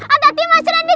atati mas randi